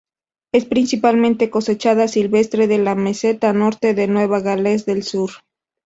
Es principalmente cosechada silvestre de la Meseta Norte de Nueva Gales del Sur.